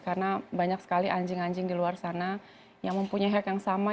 karena banyak sekali anjing anjing di luar sana yang mempunyai hak yang sama